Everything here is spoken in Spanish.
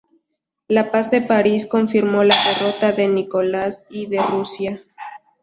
La paz de París confirmó la derrota de Nicolás I de Rusia.